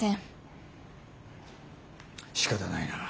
しかたないな。